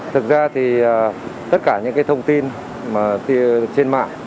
thực ra thì tất cả những cái thông tin mà trên mạng